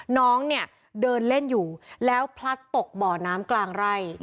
น้องเนี่ยเดินเล่นอยู่แล้วพลัดตกบ่อน้ำกลางไร่